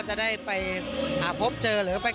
การเดินทางปลอดภัยทุกครั้งในฝั่งสิทธิ์ที่หนูนะคะ